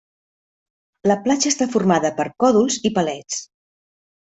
La platja està formada per còdols i palets.